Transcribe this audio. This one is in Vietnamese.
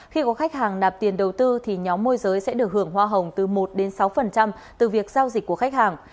khi có khách hàng nạp tiền đầu tư thì nhóm môi giới sẽ được hưởng hoa hồng từ một sáu từ việc giao dịch của khách hàng